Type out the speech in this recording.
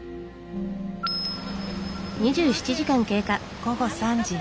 午後３時。